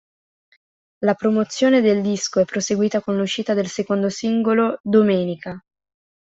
La promozione del disco è proseguita con l'uscita del secondo singolo "Domenica".